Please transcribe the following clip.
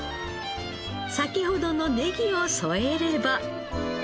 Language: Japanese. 先ほどのネギを添えれば。